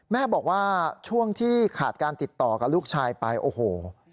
แม่บอกว่าช่วงที่ขาดการติดต่อกับลูกชายไปโอ้โห